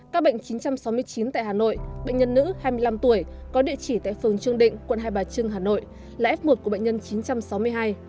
các bệnh chín trăm sáu mươi chín tại hà nội bệnh nhân nữ hai mươi năm tuổi có địa chỉ tại phường trương định quận hai bà trưng hà nội là f một của bệnh nhân chín trăm sáu mươi hai